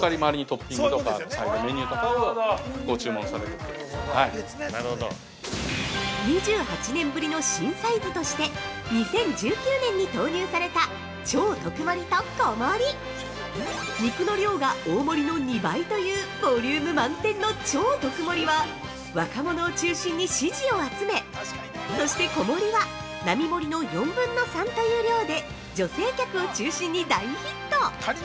◆２８年ぶりの新サイズとして２０１９年に投入された「超特盛」と「小盛」肉の量が大盛りの２倍というボリューム満点の超特盛は、若者を中心に支持を集めそして小盛は並盛の４分の３という量で、女性客を中心に大ヒット。